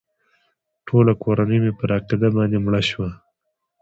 ټوله کورنۍ مې پر عقیده باندې مړه شول.